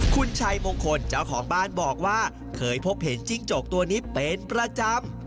คุณชัยมงคลเจ้าของบ้านบอกว่าเคยพบเห็นจิ้งจกตัวนี้เป็นประจำ